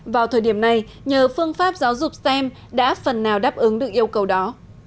vào thời điểm này nhờ phương pháp giáo dục stem đã phần nào đáp ứng được yêu cầu đó